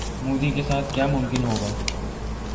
مودی کے ساتھ کیا یہ ممکن ہوگا؟